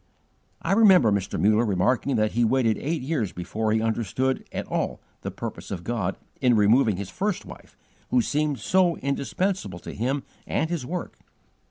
I remember Mr. Muller remarking that he waited eight years before he understood at all the purpose of God in removing his first wife, who seemed so indispensable to him and his work.